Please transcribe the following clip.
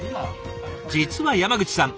実は山口さん